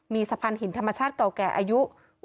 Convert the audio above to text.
มีสะพานหินธรรมชาติเก่าแก่อายุ